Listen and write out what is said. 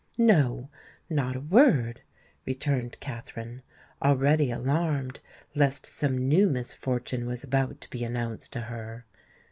"No—not a word," returned Katherine, already alarmed lest some new misfortune was about to be announced to her.